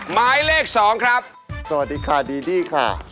หมายเลข๒ครับสวัสดีค่ะดีลี่ค่ะ